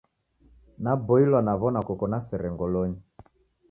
Naboilwa naw'ona koko na sere ngolonyi